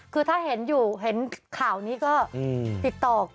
คือถ้าเห็นอยู่เห็นข่าวนี้ก็ติดต่อ